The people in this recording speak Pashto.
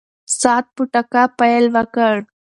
ساعت په ټکا پیل وکړ.